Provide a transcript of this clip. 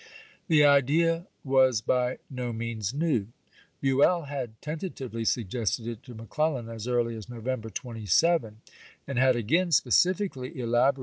The idea was by no means new. Buell had ten tatively suggested it to McCleUan, as early as No Bueii'to vember 27 ; and had again specifically elaborated Nov.